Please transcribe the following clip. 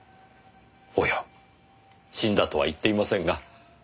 おや死んだとは言っていませんが。